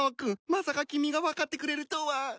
まさか君が分かってくれるとは！